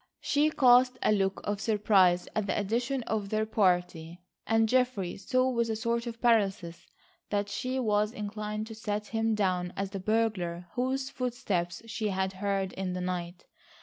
She cast a look of surprise at the addition to their party and Geoffrey saw with a sort of paralysis that she was inclined to set him down as the burglar whose footsteps she had heard in the night.